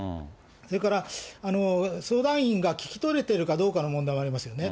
それから相談員が聞き取れてるかどうかの問題もありますよね。